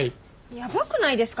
やばくないですか？